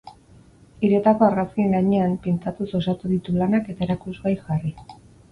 Hirietako argazkien gainean pintatuz osatu ditu lanak eta erakusgai jarri.